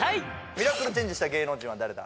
ミラクルチェンジした芸能人は誰だ？